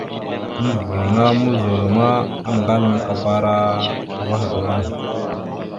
Endəveŋá muzol ma, aŋgalaŋkabara uvah gaŋa.